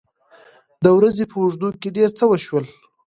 د ورځې په اوږدو کې ډېر څه وشول.